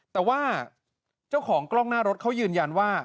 แต่ว่าเจ้าของกล้องหน้ารถเขายืนยันว่า